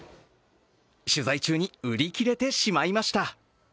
取材中に売り切れてしまいました。